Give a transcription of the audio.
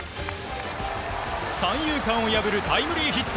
三遊間を破るタイムリーヒット。